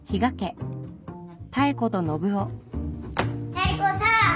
妙子さん。